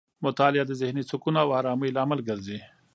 مطالعه د ذهني سکون او آرامۍ لامل ګرځي.